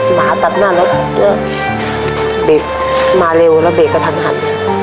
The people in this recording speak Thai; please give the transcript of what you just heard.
หมาตัดหน้าแล้วเริ่มเบคมาเร็วแล้วเบคก็ทันทัน